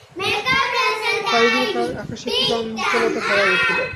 চারি দিকের আকাশে একটা চঞ্চলতার হাওয়া উঠিল।